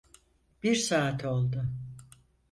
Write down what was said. Bir saat oldu.